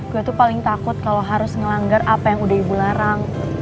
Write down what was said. gue tuh paling takut kalau harus ngelanggar apa yang udah ibu larang